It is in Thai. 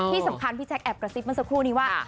ที่สำคัญพี่แจ๊คแอบกระซิบมาสักครู่นี้ว่า